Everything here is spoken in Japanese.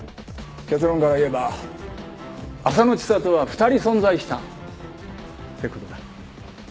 結論から言えば浅野知里は２人存在したって事だ。